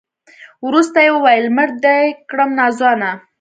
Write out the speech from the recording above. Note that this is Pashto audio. وروسته يې وويل مړ دې کړم ناځوانه.